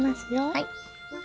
はい。